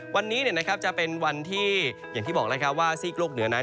วันนี้จะเป็นวันที่อย่างที่บอกแล้วว่าซีกโลกเหนือนั้น